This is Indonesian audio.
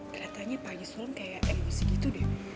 kelihatannya pak haji sulantek emosi gitu dip